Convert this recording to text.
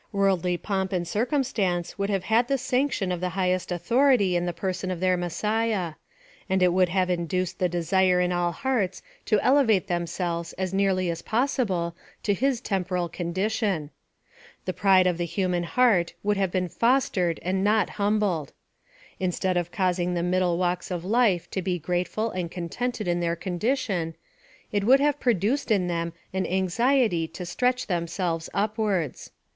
Worldly pomp and circumstance would have had the sanction of the highest authority in the person of their Messiah ; and it would have in duced the desire in all hearts to elevate themselves as nearly as possible to his temporal condition. The pride of the human heart would have been fostered and not humbled. Instead of causing the middle walks of life to be grateful and contented in their condition, it would have produced in them an anxi ety to stretch themselves upwards.